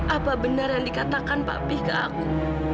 apa benar yang dikatakan papi ke aku